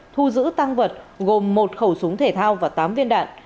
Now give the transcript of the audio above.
thu giữ tăng vật gồm một khẩu súng thể thao và tám viên đạn